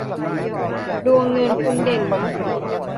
ดวงเงินคุณเด่นนะ